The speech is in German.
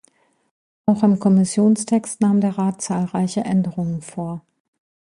Auch am Kommissionstext nahm der Rat zahlreiche Änderungen vor.